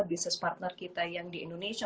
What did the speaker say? bisnis partner kita yang di indonesia